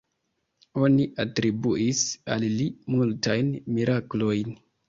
Oni atribuis al li multajn miraklojn.